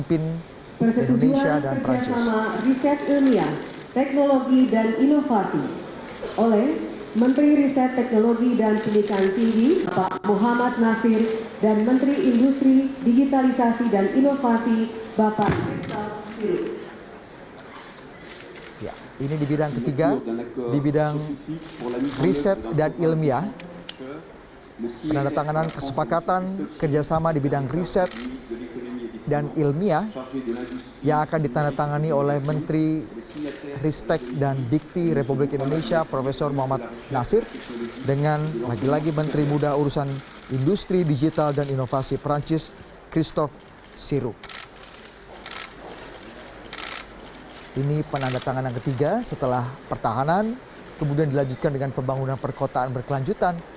ini penandatangan ketiga setelah pertahanan kemudian dilanjutkan dengan pembangunan perkotaan berkelanjutan